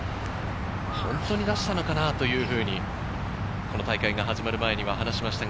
本当に出したのかな？というふうに、この大会が始まる前に話しました。